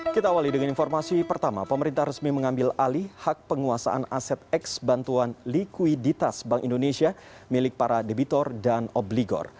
kita awali dengan informasi pertama pemerintah resmi mengambil alih hak penguasaan aset x bantuan likuiditas bank indonesia milik para debitor dan obligor